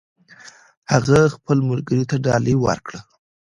هغې خپل ملګري ته ډالۍ ورکړه